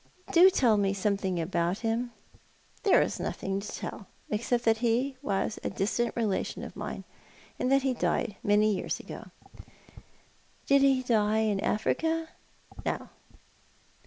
Do tell me something about him." 1" There is nothing to tell, except that he was a distant relation of mine, and that he died many years ago." " Did he die in Africa ?"" No."